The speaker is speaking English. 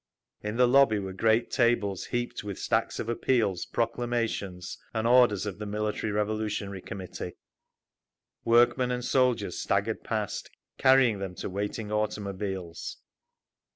In the lobby were great tables heaped with stacks of appeals, proclamations and orders of the Military Revolutionary Committee. Workmen and soldiers staggered past, carrying them to waiting automobiles.